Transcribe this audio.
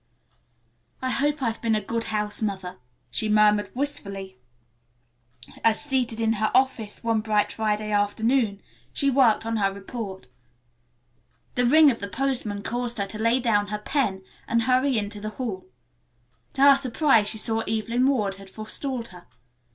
"I hope I've been a good house mother," she murmured wistfully, as, seated in her office one bright Friday afternoon, she worked on her report. The ring of the postman caused her to lay down her pen and hurry into the hall. To her surprise she saw Evelyn Ward had forestalled her.